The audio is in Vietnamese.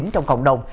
trong cộng đồng